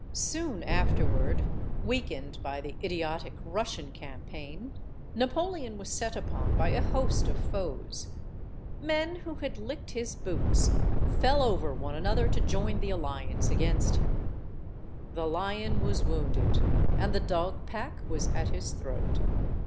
Soon afterward, weakened by the idiotic Russian campaign, Napoleon was set upon by a host of foes. Men who had licked his boots fell over one another to join the alliance against him. The lion was wounded, and the dog pack was at his throat.